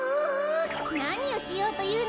なにをしようというのだ！